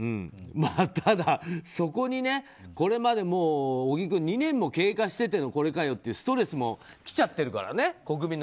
ただ、そこにこれまでも小木君、２年も経過してのこれかよというストレスもきちゃってるからね。